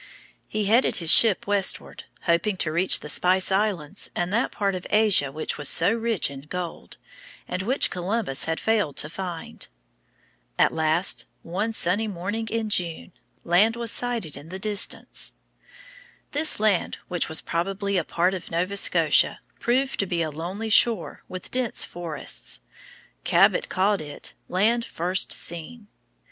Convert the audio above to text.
He headed his ship westward, hoping to reach the Spice Islands and that part of Asia which was so rich in gold, and which Columbus had failed to find. At last, one sunny morning in June, land was sighted in the distance. This land, which was probably a part of Nova Scotia, proved to be a lonely shore with dense forests. Cabot called it "Land First Seen."